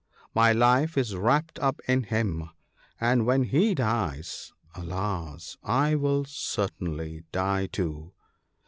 My life is wrapped up in him — and when he dies, alas ! I will certainly die too.